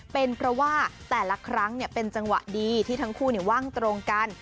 เป็นเพราะว่าแต่ละครั้งเป็นจังหวะดีที่ทั้งคู่ว่างตรงกัน